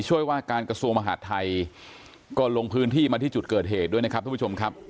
ว่าการกระทรวงมหาดไทยก็ลงพื้นที่มาที่จุดเกิดเหตุด้วยนะครับทุกผู้ชมครับ